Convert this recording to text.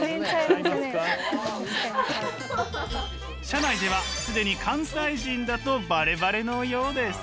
社内では既に関西人だとバレバレのようです。